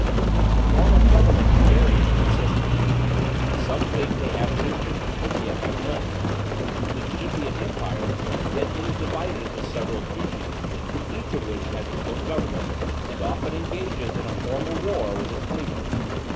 The form of government is very inconsistent; some think they have a regent and yet have none; it should be an empire, yet it is divided into several duchies, each of which has its own government, and often engages in a formal war with its neighbor.